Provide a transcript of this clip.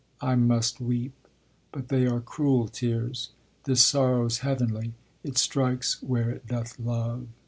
I must weep. But they are cruel tears: This sorrow's heavenly: It strikes where it doth love."